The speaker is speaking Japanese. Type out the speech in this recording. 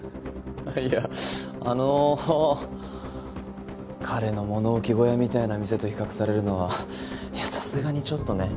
いやあの彼の物置小屋みたいな店と比較されるのはさすがにちょっとね。